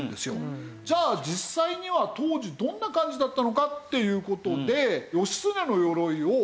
じゃあ実際には当時どんな感じだったのかっていう事で。